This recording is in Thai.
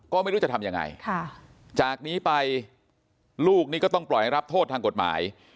ก็ไม่รู้จะทำยังไงจากนี้ไปลูกนี้ก็ต้องปล่อยรับโทษทางกฎหมาย